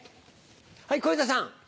はい小遊三さん。